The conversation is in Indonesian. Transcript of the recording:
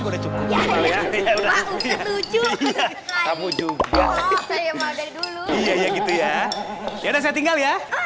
udah cukup ya ya udah saya tinggal ya